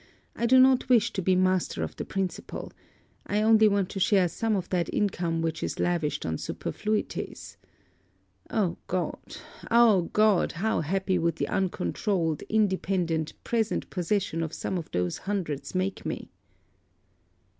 I do not wish to be master of the principal. I only want to share some of that income which is lavished on superfluities. O God! O God! how happy would the uncontrouled, independent, present possession of some of those hundreds make me!'